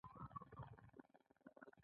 د غړو شمېر له شپږو تر دولسو وي.